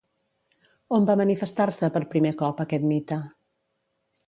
On va manifestar-se, per primer cop, aquest mite?